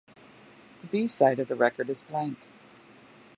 The B-side of the record is blank.